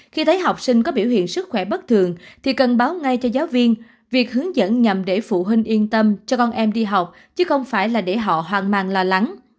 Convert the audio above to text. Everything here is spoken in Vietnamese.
khi thấy học sinh có biểu hiện sức khỏe bất thường thì cần báo ngay cho giáo viên việc hướng dẫn nhằm để phụ huynh yên tâm cho con em đi học chứ không phải là để họ hoang mang lo lắng